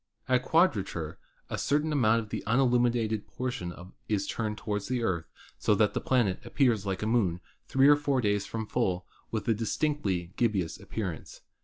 At quadrature a certain amount of the unilluminated portion is turned toward the Earth so that the planet appears like a Moon three or four days from full, with a distinctly gibbous appearance.